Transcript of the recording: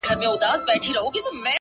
• خو هغې دغه ډالۍ ـ